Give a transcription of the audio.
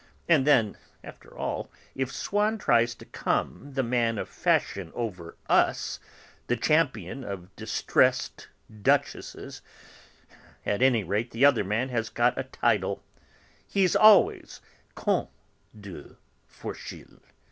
And then, after all, if Swann tries to come the man of fashion over us, the champion of distressed Duchesses, at any rate the other man has got a title; he's always Comte de Forcheville!"